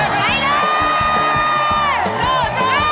ไปเลย